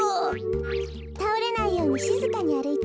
たおれないようにしずかにあるいてね。